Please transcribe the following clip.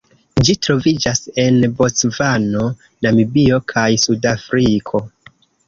Ĝi troviĝas en Bocvano, Namibio kaj Sudafriko.